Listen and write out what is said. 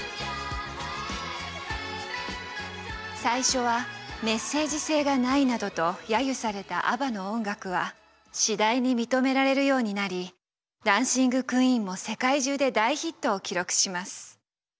最初はメッセージ性がないなどと揶揄されたＡＢＢＡの音楽は次第に認められるようになり「ダンシング・クイーン」も世界中で大ヒットを記録します。